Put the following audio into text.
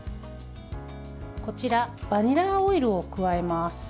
こちらバニラオイルを加えます。